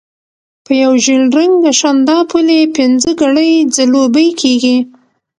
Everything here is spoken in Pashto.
په یو ژېړ رنګه شانداپولي پنځه کړۍ ځلوبۍ کېږي.